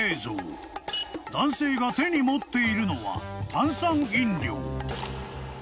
［男性が手に持っているのは炭酸飲料］